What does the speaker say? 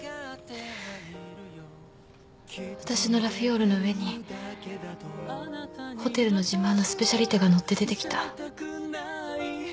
私のラフィオールの上にホテルの自慢のスペシャリテが載って出てきた。